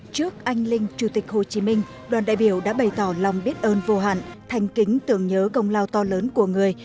trước anh linh chủ tịch hồ chí minh đoàn đại biểu đã bày tỏ lòng biết ơn vô hạn thành kính tưởng nhớ công lao to lớn của người